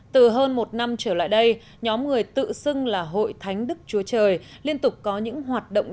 từ hơn một năm trở lại đây nhóm người tự xưng là hội thánh đức chúa trời liên tục có những hoạt động